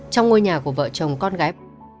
trong ngôi nhà của vợ chồng con gái